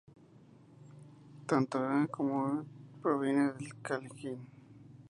Tanto も como モ provienen del kanji 毛.